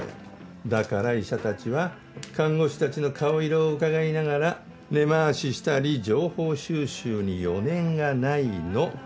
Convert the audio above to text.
だから医者たちは看護師たちの顔色を伺いながら根回ししたり情報収集に余念がないの。